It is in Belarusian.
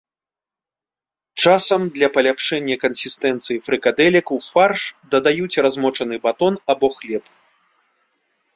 Часам для паляпшэння кансістэнцыі фрыкадэлек ў фарш дадаюць размочаны батон або хлеб.